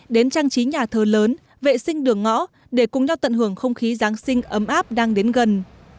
đến trang trí nhà thờ lớn vệ sinh đường ngõ để cùng nhau tận hưởng không khí giáng sinh ấm áp đang đến gần